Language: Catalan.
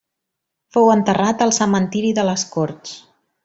Fou enterrat al Cementiri de les Corts.